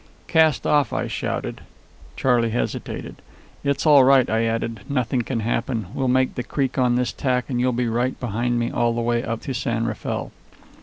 "Cast off!" I shouted. Charley hesitated. "It's all right," I added. "Nothing can happen. We'll make the creek on this tack, and you'll be right behind me all the way up to San Rafael."